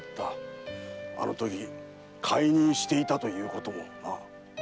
あのとき懐妊していたということまでもな。